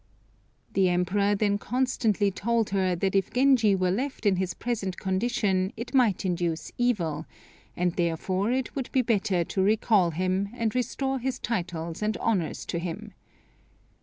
The Emperor then constantly told her that if Genji were left in his present condition it might induce evil, and, therefore, it would be better to recall him, and restore his titles and honors to him.